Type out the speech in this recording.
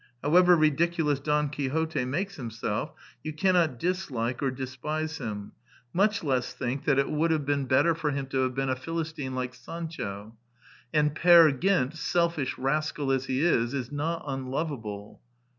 However ridiculous Don Quixote makes himself, you cannot dislike or de spise him, much less think that it would have been 62 The Quintessence of Ibsenism better for him to have been a Philistine like Sancho; and Peer Gynt, selfish rascal as he is, is not unlovable.